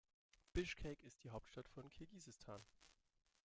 Bischkek ist die Hauptstadt von Kirgisistan.